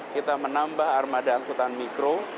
kita menambah armada angkutan mikro